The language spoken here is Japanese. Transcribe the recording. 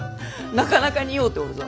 なかなか似合うておるぞ。